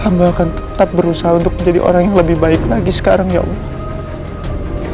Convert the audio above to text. kami akan tetap berusaha untuk menjadi orang yang lebih baik lagi sekarang ya allah